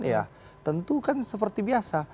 ya tentu kan seperti biasa